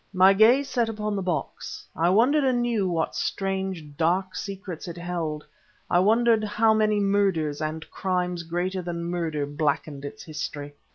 My gaze set upon the box, I wondered anew what strange, dark secrets it held; I wondered how many murders and crimes greater than murder blackened its history.